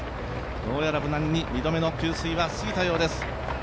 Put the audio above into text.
どうやら無難に二度目の給水は過ぎたようです。